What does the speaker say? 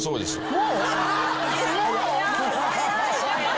もう？